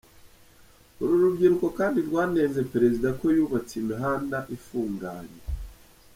Uru rubyiruko kandi rwanenze perezida ko yubatse imihanda ifunganye.